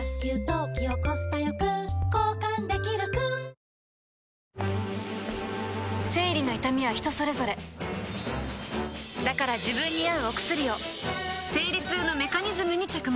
大空あおげ生理の痛みは人それぞれだから自分に合うお薬を生理痛のメカニズムに着目